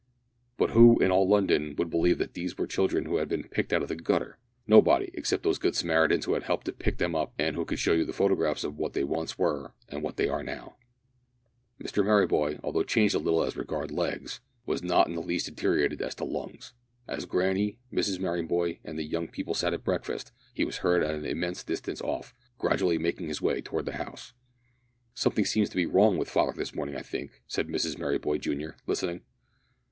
But who, in all London, would believe that these were children who had bean picked out of the gutter? Nobody except those good Samaritans who had helped to pick them up, and who could show you the photographs of what they once were and what they now are. Mr Merryboy, although changed a little as regards legs, was not in the least deteriorated as to lungs. As Granny, Mrs Merryboy, and the young people sat at breakfast he was heard at an immense distance off, gradually making his way towards the house. "Something seems to be wrong with father this morning, I think," said Mrs Merryboy, junior, listening.